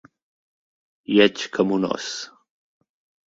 Lleig com un ós.